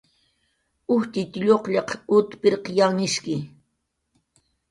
Ujtxitx lluqllaq ut pirq yanhshiwi